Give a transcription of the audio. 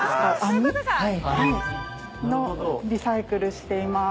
リサイクルしています。